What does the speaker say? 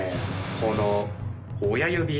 この親指